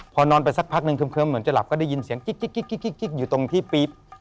พอนอนไปสักพักนึงเคิ้มเหมือนจะหลับก็ได้ยินเสียงกิ๊กอยู่ตรงที่ปี๊บ